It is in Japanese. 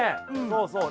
そうそう。